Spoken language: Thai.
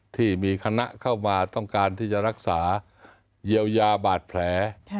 ที่มีคณะเข้ามาต้องการที่จะรักษาเยียวยาบาดแผล